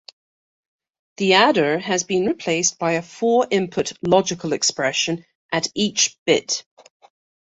The adder has been replaced by a four input logical expression at each bit.